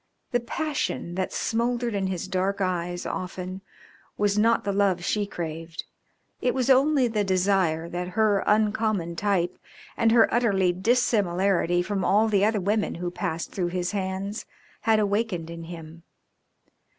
The passion that smouldered in his dark eyes often was not the love she craved, it was only the desire that her uncommon type and her utter dissimilarity from all the other women who had passed through his hands had awakened in him.